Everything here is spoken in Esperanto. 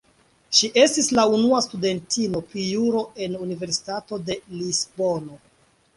Ŝi estis la unua studentino pri Juro en Universitato de Lisbono.